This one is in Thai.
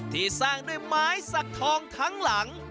ที่สร้างด้วยไม้สักทองทั้งหลัง